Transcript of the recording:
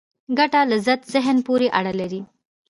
ګټه لذت ذهن پورې اړه لري.